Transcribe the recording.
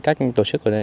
các tổ chức của đấy